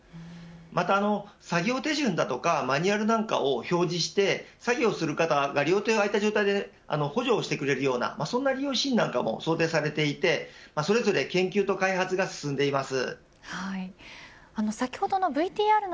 また、作業手順やマニュアルなどを表示して作業する方が両手が空いた状態で補助してくれるような利用シーンも想定されていてそれぞれ研究と開発が進んでいます。